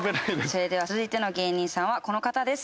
それでは続いての芸人さんはこの方です。